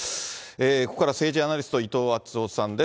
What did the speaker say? ここからは政治アナリスト、伊藤惇夫さんです。